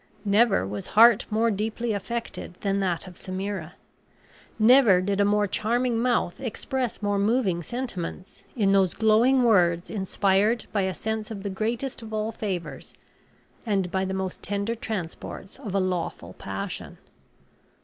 Never was heart more deeply affected than that of Semira. Never did a more charming mouth express more moving sentiments, in those glowing words inspired by a sense of the greatest of all favors, and by the most tender transports of a lawful passion.